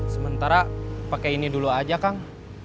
sementara pakai ini dulu aja kang